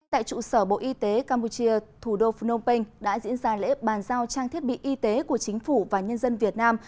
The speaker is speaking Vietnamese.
tại trụ sở bộ y tế campuchia thủ đô phnom penh đã diễn ra lễ bàn giao trang thiết bị y tế của chính phủ và nhân dân việt nam